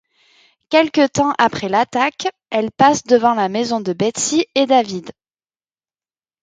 Quelque temps après l'attaque, elle passe devant la maison de Betsy et David.